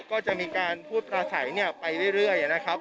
ก็จะมีการพูดประสัยไปเรื่อยนะครับ